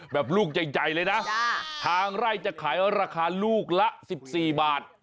แบบลูกใหญ่เลยนะทางไร่จะขายราคาลูกละ๑๔บาท